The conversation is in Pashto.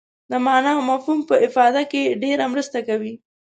د معنا او مفهوم په افاده کې ډېره مرسته کوي.